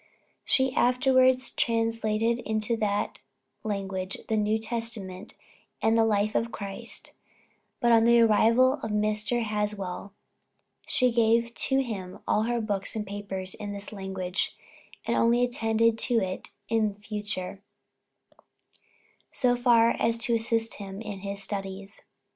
She afterwards translated into that language the New Testament and the Life of Christ; but on the arrival of Mr. Haswell, she gave up to him all her books and papers in this language, and only attended to it in future so far as to assist him in his studies.